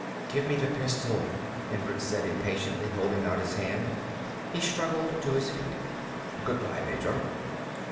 "Give me the pistol," Hendricks said impatiently, holding out his hand. He struggled to his feet. "Good bye, Major."